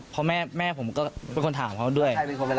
เพราะแม่ผมก็เป็นคนถามเขาด้วย